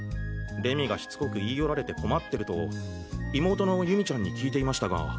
礼美がしつこく言い寄られて困ってると妹の祐美ちゃんに聞いていましたが。